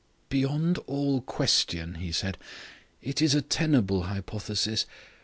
"Beyond all question," he said, "it is a tenable hypothesis.